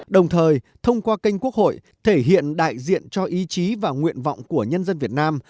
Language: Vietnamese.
đồng thời thông qua kênh quốc hội thể hiện đại diện cho ý chí và nguyện vọng của nhân dân việt nam